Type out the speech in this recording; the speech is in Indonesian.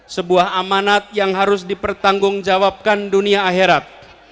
sebuah amanat yang harus dipertanggungjawabkan dunia akhirat